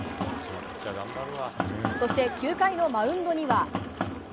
そして、９回のマウンドには。